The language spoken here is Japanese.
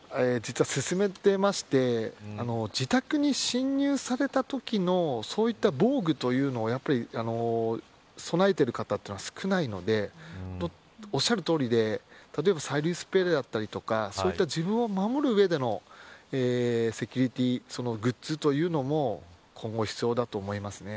僕は、それを今実は薦めていまして自宅に侵入されたときのそういった防具というのを備えている方は少ないのでおっしゃるとおりで例えば、催涙スプレーやそういった自分を守る上でのセキュリティーグッズというのも今後、必要だと思います。